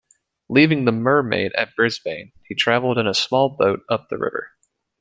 Leaving the "Mermaid" at Brisbane, he travelled in a small boat up the river.